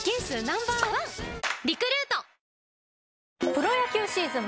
プロ野球シーズン